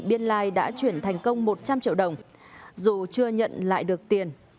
biên lai đã chuyển thành công một trăm linh triệu đồng dù chưa nhận lại được tiền